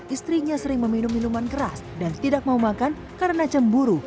istrinya sering meminum minuman keras dan tidak mau makan karena cemburu